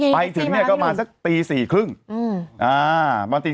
ไปถึงเนี่ยก็มาสักตี๔๓๐อ่าบางที๔๓๐